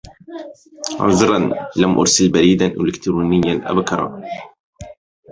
عذرا لم أرسل بريداً إلكترونيا أبكر.